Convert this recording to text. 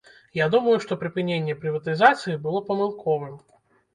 Я думаю, што прыпыненне прыватызацыі было памылковым.